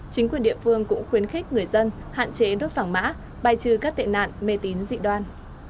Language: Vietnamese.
chính quyền địa phương cũng khuyến khích người dân hạn chế đốt vàng mã bài trừ các tệ nạn mê tín dị đoan